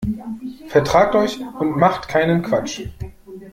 Vertragt euch und macht keinen Quatsch.